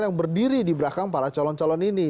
yang berdiri di belakang para calon calon ini